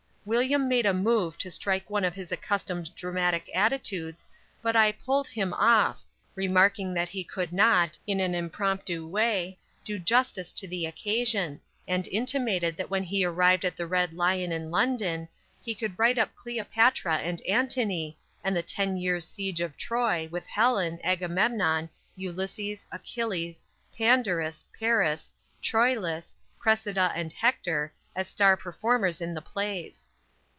William made a move to strike one of his accustomed dramatic attitudes, but I "pulled him off," remarking that he could not, in an impromptu way, do justice to the occasion, and intimated that when he arrived at the Red Lion in London, he could write up Cleopatra and Antony, and the ten years' siege of Troy, with Helen, Agamemnon, Ulysses, Achilles, Pandarus, Paris, Troilus, Cressida and Hector as star performers in the plays.